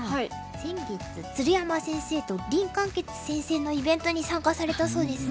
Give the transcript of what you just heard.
先月鶴山先生と林漢傑先生のイベントに参加されたそうですね。